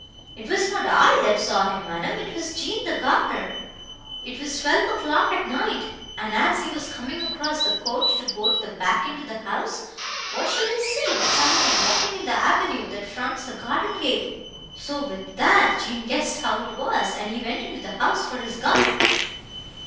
"It was not I that saw him, madam, it was Jean the gardener. It was twelve o'clock at night, and, as he was coming across the court to go the back way into the house, what should he see—but somebody walking in the avenue, that fronts the garden gate! So, with that, Jean guessed how it was, and he went into the house for his gun."